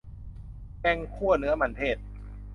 แกงคั่วเนื้อมันเทศ